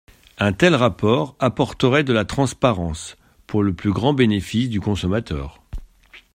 Un tel rapport apporterait de la transparence, pour le plus grand bénéfice du consommateur.